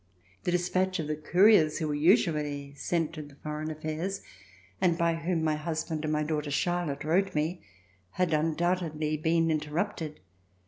The dispatch of the couriers who were usually sent to the Foreign Affairs and by whom my husband and my daughter Charlotte wrote me, had undoubtedly been in terrupted.